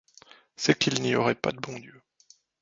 C’est qu’il n’y aurait pas de bon Dieu.